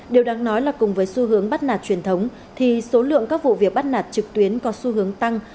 điều đáng nói là cùng với xu hướng bắt nạt truyền thống thì số lượng các vụ việc bắt nạt trực tuyến có xu hướng tăng